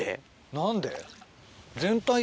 何で？